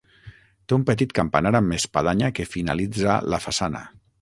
Té un petit campanar amb espadanya que finalitza la façana.